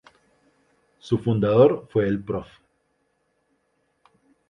Su fundador fue el Prof.